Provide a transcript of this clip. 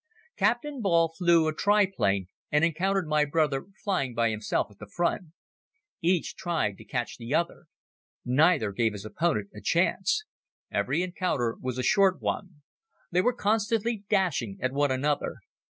Captain Ball flew a triplane and encountered my brother flying by himself at the Front. Each tried to catch the other. Neither gave his opponent a chance. Every encounter was a short one. They were constantly dashing at one another.